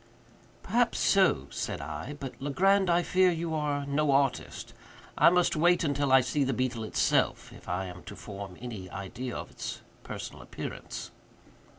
"Perhaps so," said I; "but, Legrand, I fear you are no artist. I must wait until I see the beetle itself, if I am to form any idea of its personal appearance."